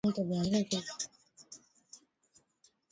waliokuwa wamepiga kambi katika eneo lenye utajiri mkubwa wa madini